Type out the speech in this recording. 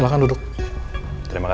aku mau ikut sama dia